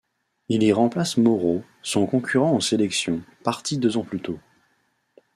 Il y remplace Mauro, son concurrent en sélection, parti deux ans plus tôt.